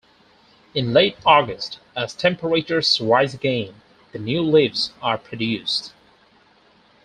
In late August as temperatures rise again, the new leaves are produced.